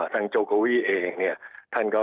ทางโจโกวีเอง